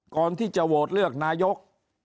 ก่อนที่จะโหวตเลือกนายก